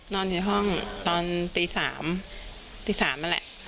นอนอยู่ห้องตอนตี๓ตี๓นั่นแหละ